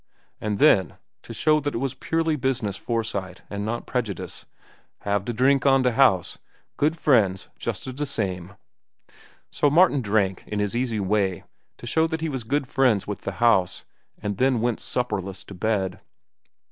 And then, to show that it was purely business foresight and not prejudice, "Hava da drink on da house—good friends justa da same." So Martin drank, in his easy way, to show that he was good friends with the house, and then went supperless to bed.